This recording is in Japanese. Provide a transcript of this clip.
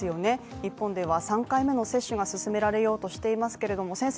日本では３回目の接種が進められようとしていますけれども先生